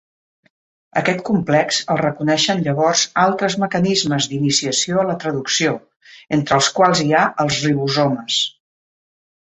Aquest complex el reconeixen llavors altres mecanismes d'iniciació a la traducció, entre els quals hi ha els ribosomes.